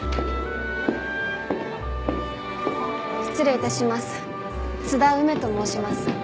失礼致します。